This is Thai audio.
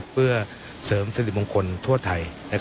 เพื่อเสริมสิริมงคลทั่วไทย